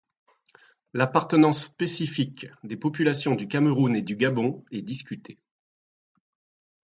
L'appartenance spécifique des populations du Cameroun et du Gabon est discutée.